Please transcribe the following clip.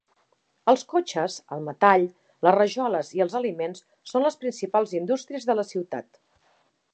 Els cotxes, el metall, les rajoles i els aliments són les principals indústries de la ciutat.